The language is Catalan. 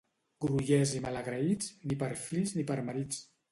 Grollers i malagraïts, ni per fills ni per marits.